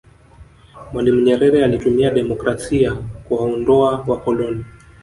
mwalimu nyerere alitumia demokrasia kuwaondoa wakoloni